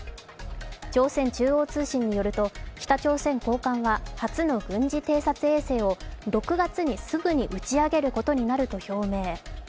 朝鮮中央通信によると、北朝鮮高官は初の軍事偵察衛星を６月にすぐに打ち上げることになると表明。